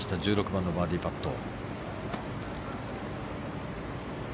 １６番のバーディーパット。